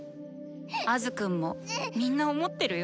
アズくんもみんな思ってるよ。